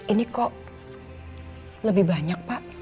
ini kok lebih banyak pak